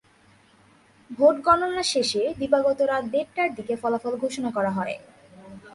Vote গণনা শেষে দিবাগত রাত দেড়টার দিকে ফলাফল ঘোষণা করা হয়।